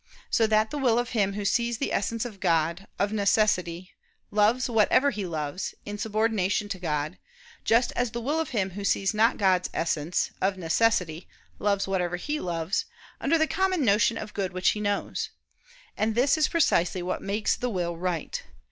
So that the will of him who sees the Essence of God, of necessity, loves, whatever he loves, in subordination to God; just as the will of him who sees not God's Essence, of necessity, loves whatever he loves, under the common notion of good which he knows. And this is precisely what makes the will right.